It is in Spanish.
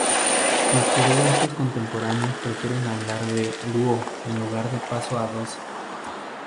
Los coreógrafos contemporáneos prefieren hablar de "duo" en lugar de paso a dos.